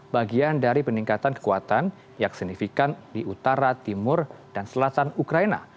bagian dari peningkatan kekuatan yang signifikan di utara timur dan selatan ukraina